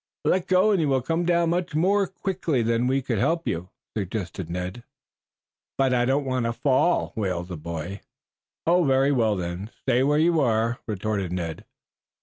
"Let go and you will come down much more quickly than we could help you," suggested Ned. "But I don't want to fall," wailed the boy. "Oh, very well, then, stay where you are," retorted Ned.